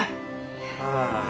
ああ。